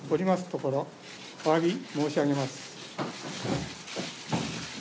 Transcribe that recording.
ところおわび申し上げます。